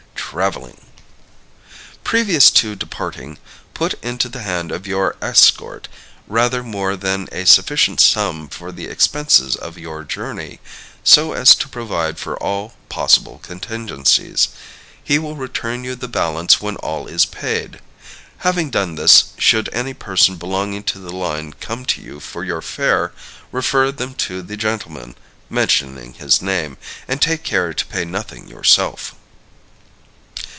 Traveling. Previous to departing, put into the hand of your escort rather more than a sufficient sum for the expenses of your journey, so as to provide for all possible contingencies. He will return you the balance when all is paid. Having done this, should any person belonging to the line come to you for your fare, refer them to the gentleman (mentioning his name), and take care to pay nothing yourself.